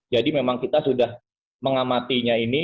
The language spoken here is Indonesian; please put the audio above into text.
jadi memang kita sudah mengamatinya ini